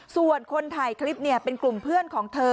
ส่วนคนถ่ายคลิปเป็นกลุ่มเพื่อนของเธอ